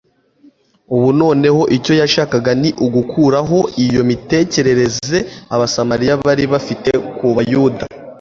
Ubu noneho icyo yashakaga ni ugukuraho iyo mitekerereze Abasamariya bari bafite ku Bayuda